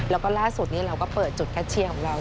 แล้วก็ล่าสุดนี้เราก็เปิดจุดแคทเชียร์ของเรา